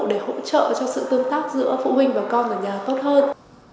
để hỗ trợ cho sự tương tác giữa phụ huynh và con ở nhà tốt hơn